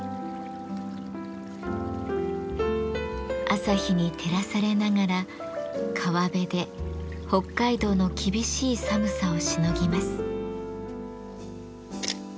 朝日に照らされながら川辺で北海道の厳しい寒さをしのぎます。